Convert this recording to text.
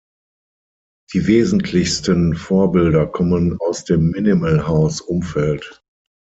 Die wesentlichsten Vorbilder kommen aus dem Minimalhouse-Umfeld.